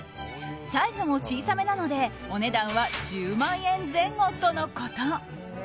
サイズも小さめなのでお値段は１０万円前後とのこと。